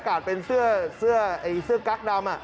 เป็นเสื้อกั๊กดำ